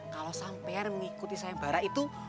kalau sampean mengikuti sayang bara itu